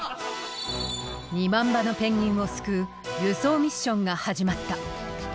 ２万羽のペンギンを救う輸送ミッションが始まった。